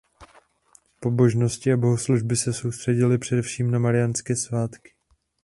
Pobožnosti a bohoslužby se soustředily především na mariánské svátky.